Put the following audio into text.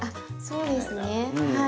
そうですねはい。